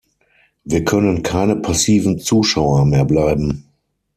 Wir können keine passiven Zuschauer mehr bleiben.